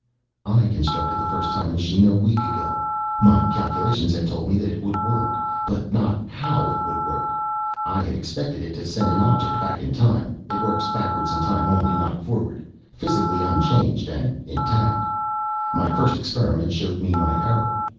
"I constructed the first time machine a week ago. My calculations had told me that it would work, but not how it would work. I had expected it to send an object back in time it works backward in time only, not forward physically unchanged and intact. "My first experiment showed me my error.